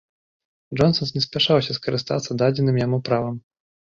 Джонсан не спяшаўся скарыстацца дадзеным яму правам.